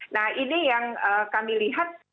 nah ini yang kami lihat